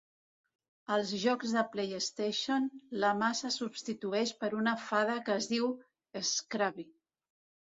Als jocs de PlayStation, la mà se substitueix per una fada que es diu Scrubby.